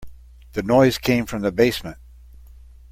The noise came from the basement.